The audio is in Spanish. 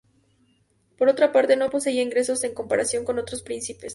Por otra parte, no poseía ingresos en comparación con otros príncipes.